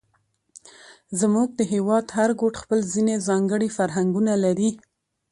زموږ د هېواد هر ګوټ خپل ځېنې ځانګړي فرهنګونه لري،